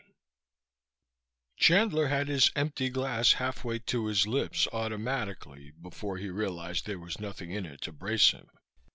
IX Chandler had his empty glass halfway to his lips, automatically, before he realized there was nothing in it to brace him.